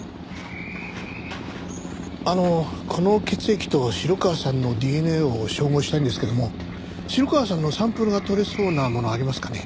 あのこの血液と城川さんのＤＮＡを照合したいんですけども城川さんのサンプルが採れそうなものありますかね？